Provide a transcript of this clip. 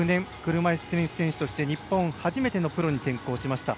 車いすテニス選手として日本初めてのプロに転向しました。